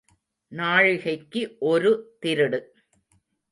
நாழிகைக்கு ஒரு திருடு!